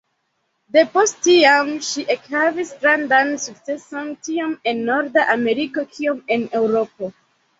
Depost tiam, ŝi ekhavis grandan sukceson, tiom en Norda Ameriko kiom en Eŭropo.